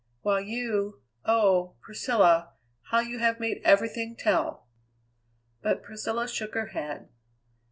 While you oh, Priscilla, how you have made everything tell!" But Priscilla shook her head.